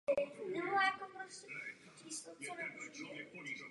Sedačky v interiéru byly uspořádány podélně.